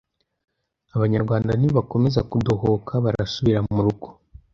abanyarwanda nibakomeza kudohoka barasubira murugo